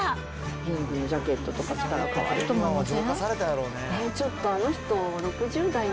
ピンクのジャケットとか着たらかわいいと思いません？